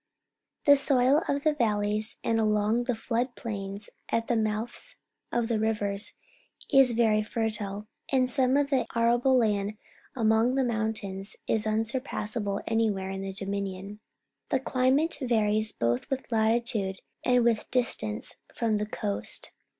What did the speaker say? The soil of the valleys and along the flood plains at the mouths of the rivers is very fertile, and some of the arable land among the mountains is imsurpassed any where in the Dominion. The climate varies both with latitude and with distance from the coast.